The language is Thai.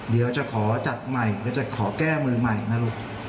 เดี๋ยวจะขอจัดใหม่หรือจะขอแก้มือใหม่นะลูก